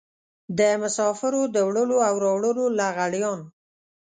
د مسافرو د وړلو او راوړلو لغړيان.